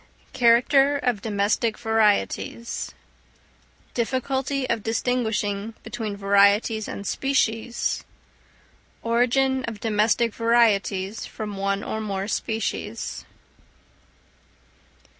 _Character of Domestic Varieties; difficulty of distinguishing between Varieties and Species; origin of Domestic Varieties from one or more Species.